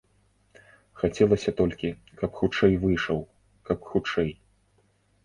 Хацелася толькі, каб хутчэй выйшаў, каб хутчэй.